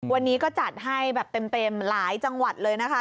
วันนี้ก็จัดให้แบบเต็มหลายจังหวัดเลยนะคะ